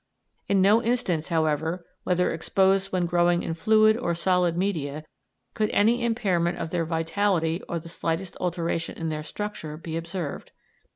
In no instance, however, whether exposed when growing in fluid or solid media, could any impairment of their vitality or the slightest alteration in their structure be observed.